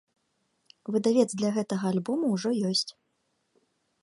Выдавец для гэтага альбому ўжо ёсць.